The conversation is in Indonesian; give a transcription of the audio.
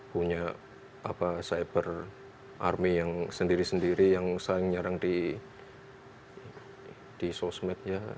punya cyber army yang sendiri sendiri yang saling nyerang di sosmednya